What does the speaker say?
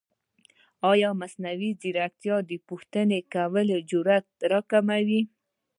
ایا مصنوعي ځیرکتیا د پوښتنې کولو جرئت نه راکموي؟